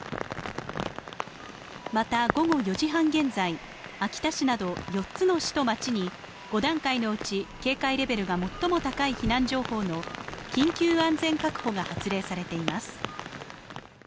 また午後４時半現在、秋田市など４つの市と町に５段階のうち警戒レベルが最も高い避難情報の緊急安全確保が発令されています。